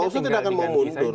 kalau keputusan administrasi itu